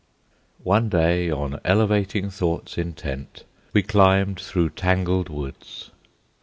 One day, on elevating thoughts intent, we climbed through tangled woods.